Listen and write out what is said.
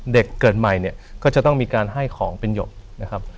เกิดใหม่เนี่ยก็จะต้องมีการให้ของเป็นหยกนะครับ